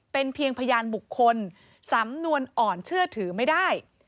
เป็นเพียงพยานบุคคลสำนวนอ่อนเชื่อถือไม่ได้